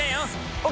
ＯＫ。